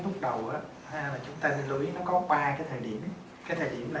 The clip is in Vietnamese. nó có ba cái thời điểm cái thời điểm là